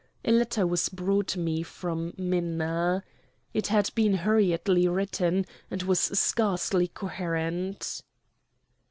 A letter was brought me from Minna. It had been hurriedly written, and was scarcely coherent.